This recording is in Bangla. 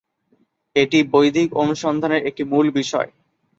এটি বৈদিক অনুসন্ধানের একটি মূল বিষয়।